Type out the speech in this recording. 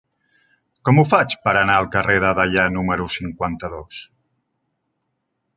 Com ho faig per anar al carrer de Deià número cinquanta-dos?